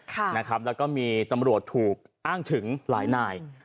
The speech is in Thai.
แล้วก็มีตำรวจถูกอ้างถึงหลายนาย